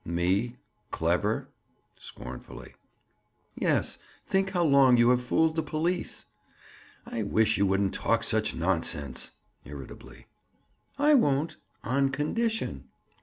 "Me, clever?" Scornfully. "Yes; think how long you have fooled the police." "I wish you wouldn't talk such nonsense." Irritably. "I won't. On condition!"